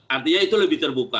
artinya itu lebih terbuka